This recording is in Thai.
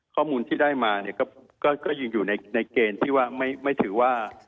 ข้อมูลที่ได้มาเนี่ยก็ยังอยู่ในเกณฑ์ที่ว่าไม่ถือว่า